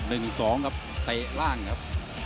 เตะล่างครับ